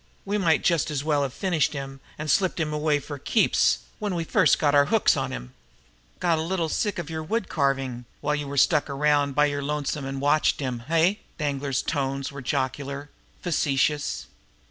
"We might just as well have finished him and slipped him away for keeps when we first got our hooks on him." "Got a little sick of your wood carving, while you stuck around by your lonesome and watched him eh?" Danglar's tones were jocularly facetious.